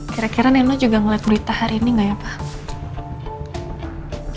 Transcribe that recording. kira kira nenek juga ngeliat berita hari ini enggak ya pak